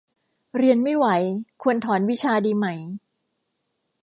เรียนไม่ไหว ควรถอนวิชาดีไหม